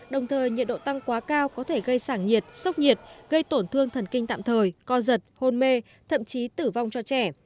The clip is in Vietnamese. đồng thời nhiệt độ tăng quá cao có thể gây sảng nhiệt sốc nhiệt gây tổn thương thần kinh tạm thời co giật hôn mê thậm chí tử vong cho trẻ